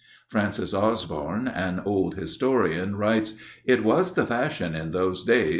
Francis Osborne, an old historian, writes: 'It was the fashion in those days